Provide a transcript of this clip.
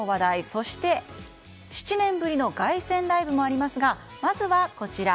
そして、７年ぶりの凱旋ライブもありますがまずはこちら。